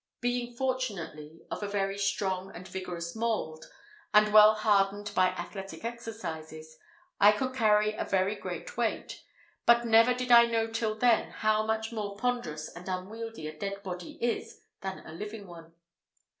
Being fortunately of a very strong and vigorous mould, and well hardened by athletic exercises, I could carry a very great weight, but never did I know till then, how much more ponderous and unwieldy a dead body is than a living one.